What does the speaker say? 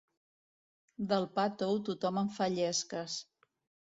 Del pa tou tothom en fa llesques.